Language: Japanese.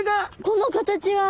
この形は。